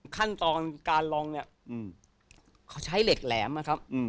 ขั้นตอนการลองเนี่ยเขาใช้เหล็กแหลมนะครับ